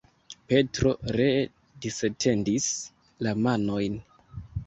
Petro ree disetendis la manojn.